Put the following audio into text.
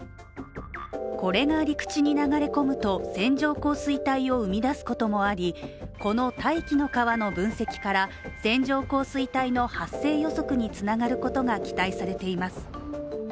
これが陸地に流れ込むと、線状降水帯を生み出すこともありこの大気の河の分析から線状降水帯の発生予測につながることが期待されています。